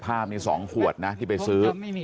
ผ้ามี๒ขวดนะที่ไปซื้อ